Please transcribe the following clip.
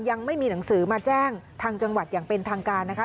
ยังไม่มีหนังสือมาแจ้งทางจังหวัดอย่างเป็นทางการนะคะ